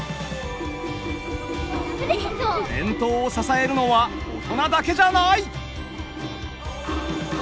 伝統を支えるのは大人だけじゃない。